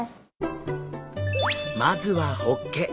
まずはホッケ。